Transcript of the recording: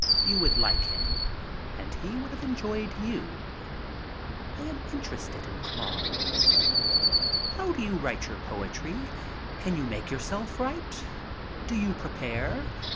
"You would like him and he would have enjoyed you." I am interested in Claude. "How do you write your poetry? Can you make yourself write? Do you pre pare?"